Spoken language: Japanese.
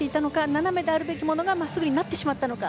斜めであるべきものが真っすぐになってしまったのか。